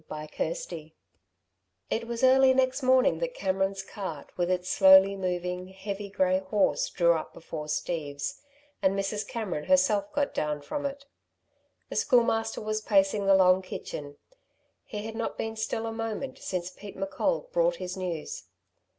CHAPTER XL It was early next morning that Cameron's cart with its slowly moving, heavy grey horse drew up before Steve's, and Mrs. Cameron herself got down from it. The Schoolmaster was pacing the long kitchen. He had not been still a moment since Pete M'Coll brought his news.